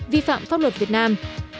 vi phạm pháp luật việt nam